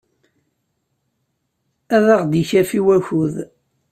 Ad aɣ-d-ikafi wakud.